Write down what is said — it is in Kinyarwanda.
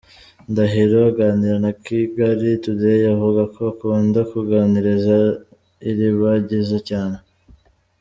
Ndahiro aganira na Kigali Today, avuga ko akunda kuganiriza Ilibagiza cyane.